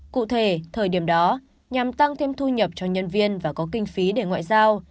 cụ thể thời điểm đó nhằm tăng thêm thu nhập cho nhân viên và có kinh phí để ngoại giao